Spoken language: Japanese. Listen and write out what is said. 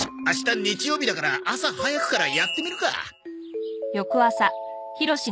あした日曜日だから朝早くからやってみるか。